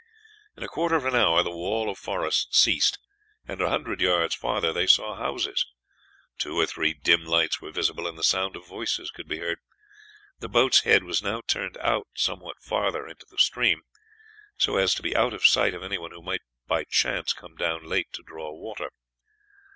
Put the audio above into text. In a quarter of an hour the wall of forest ceased, and a hundred yards farther they saw houses. Two or three dim lights were visible, and the sound of voices could be heard. The boat's head was now turned out somewhat farther into the stream, so as to be out of sight of anyone who might by chance come down late to draw water.